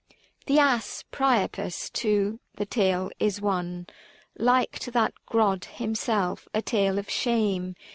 The ass, Priapus to — the tale is one Like to that Grod himself, a tale of shame.